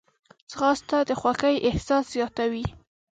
ځغاسته د خوښۍ احساس زیاتوي